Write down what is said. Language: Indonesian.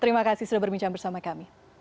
terima kasih sudah berbincang bersama kami